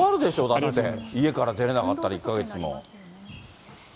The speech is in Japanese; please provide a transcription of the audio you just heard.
だって、家から出れなかったら、１か月も。